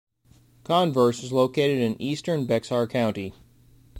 Converse is located in eastern Bexar County.